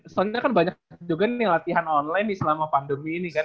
soalnya kan banyak juga nih latihan online nih selama pandemi ini kan